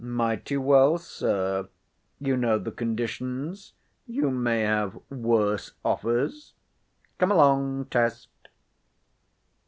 "Mighty well, sir—you know the conditions—you may have worse offers. Come along, Test."